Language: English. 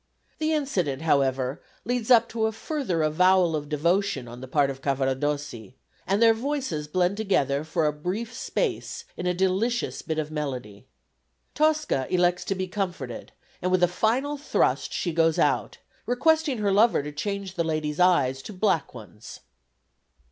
The incident, however, leads up to a further avowal of devotion on the part of Cavaradossi, and their voices blend together for a brief space in a delicious bit of melody. Tosca elects to be comforted, and with a final thrust she goes out, requesting her lover to change the lady's eyes to black ones.